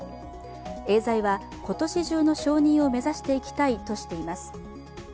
エーザイは今年中の承認を目指していきたいとしています。